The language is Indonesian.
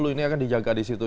sepuluh ini akan dijaga di situ